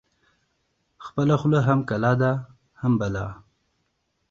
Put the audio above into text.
خپله خوله هم کلا ده، هم بلا